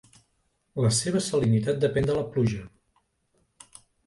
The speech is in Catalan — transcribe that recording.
La seva salinitat depèn de la pluja.